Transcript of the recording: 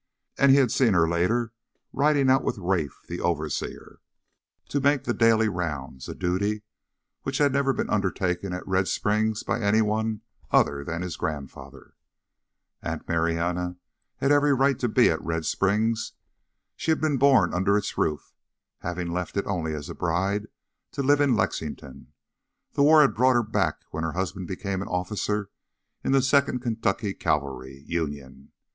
And he had seen her later, riding out with Rafe, the overseer, to make the daily rounds, a duty which had never been undertaken at Red Springs by any one other than his grandfather. Aunt Marianna had every right to be at Red Springs. She had been born under its roof, having left it only as a bride to live in Lexington. The war had brought her back when her husband became an officer in the Second Kentucky Cavalry Union.